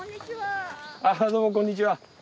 どうもこんにちは。